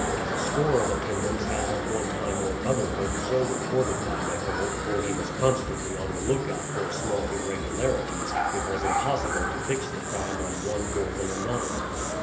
As a score of attendants had at one time or other been so reported by Neco, for he was constantly on the lookout for small irregularities, it was impossible to fix the crime on one more than another.